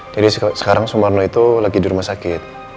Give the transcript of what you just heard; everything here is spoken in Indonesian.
jadi sekarang soebarna itu lagi di rumah sakit